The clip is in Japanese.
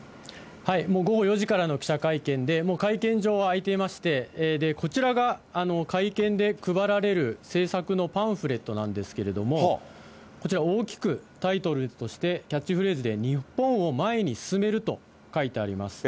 もう午後４時からの記者会見で、会見場は開いていまして、こちらが会見で配られる政策のパンフレットなんですけれども、こちら、大きくタイトルとして、キャッチフレーズで、日本を前に進めると書いてあります。